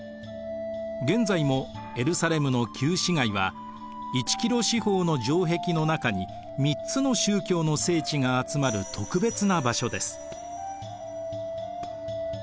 現在もエルサレムの旧市街は１キロ四方の城壁の中に３つの宗教の聖地が集まる特別な場所です。